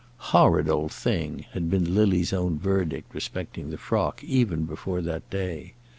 "Horrid old thing!" had been Lily's own verdict respecting the frock, even before that day.